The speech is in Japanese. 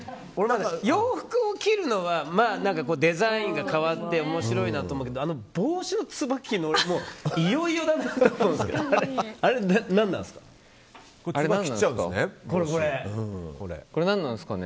洋服を着るのはデザインが変わって面白いなと思うけど帽子のつばを切るのはいよいよだなと思うんですけどあれは何なんですか？